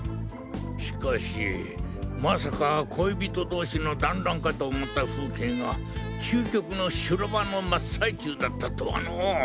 しかしまさか恋人同士の団らんかと思った風景が究極の修羅場の真っ最中だったとはの。